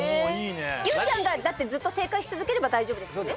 ゆうちゃんがずっと正解し続ければ大丈夫ですよね。